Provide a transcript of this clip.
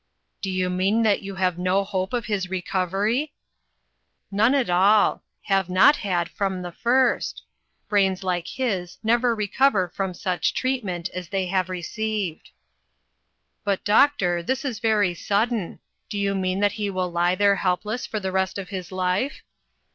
"Do you mean that you have no hope of his recovery ?" 4OO INTERRUPTED. " None at all ; have not had from the first. Brains like his never recover from such treatment as they have received." " But, doctor, this is very sudden. Do you mean he will lie there helpless for the rest of his life?"